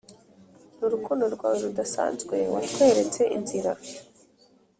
n'urukundo rwawe rudasanzwe watweretse inzira,